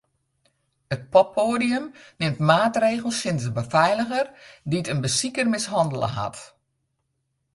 It poppoadium nimt maatregels tsjin de befeiliger dy't in besiker mishannele hat.